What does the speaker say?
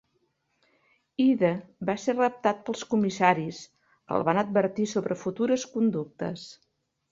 Ide va ser reptat pels comissaris que el van advertir sobre futures conductes.